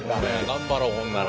頑張ろうほんなら。